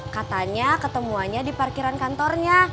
katanya ketemuannya di parkiran kantornya